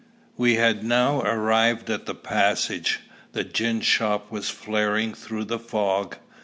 We had now arrived at the passage. The gin shop was flaring through the fog.